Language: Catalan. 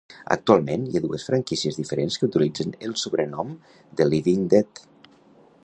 Actualment, hi ha dues franquícies diferents que utilitzen el sobrenom de "Living Dead".